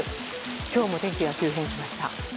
今日も天気が急変しました。